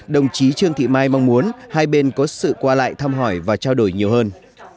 đồng chí trương thị mai mong muốn hai bên có sự qua lại thăm hỏi và trao đổi nhiều hơn